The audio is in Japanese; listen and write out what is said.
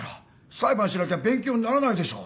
裁判しなきゃ勉強にならないでしょう。